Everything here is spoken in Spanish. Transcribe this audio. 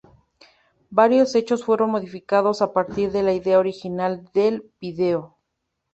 Varios hechos fueron modificados a partir de la idea original del video.